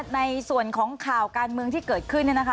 ในส่วนของข่าวการเมืองที่เกิดขึ้น